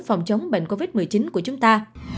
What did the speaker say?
phòng chống bệnh covid một mươi chín của chúng ta